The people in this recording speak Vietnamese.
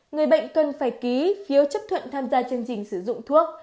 người bệnh cần phải ký phiếu chấp thuận tham gia chương trình sử dụng thuốc